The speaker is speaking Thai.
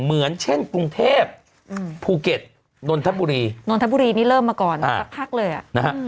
เหมือนเช่นกรุงเทพภูเก็ตนนทบุรีนนทบุรีนี่เริ่มมาก่อนสักพักเลยอ่ะนะฮะ